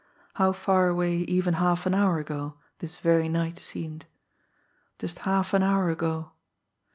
How far away even half an hour ago this very night seemed! Just half an hour ago!